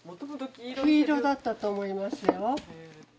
黄色だったと思いますよ。